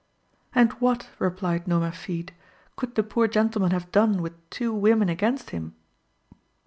"And what," replied Nomerfide, "could the poor gentleman have done with two women against him?"